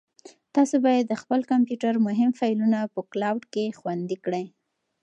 تاسو باید د خپل کمپیوټر مهم فایلونه په کلاوډ کې خوندي کړئ.